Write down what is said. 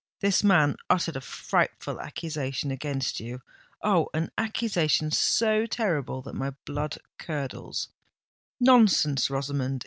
"This man uttered a frightful accusation against you—Oh! an accusation so terrible that my blood curdles——" "Nonsense, Rosamond!"